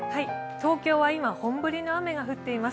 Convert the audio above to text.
東京は今、本降りの雨が降っています。